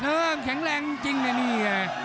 เออแข็งแรงจริงแหละนี่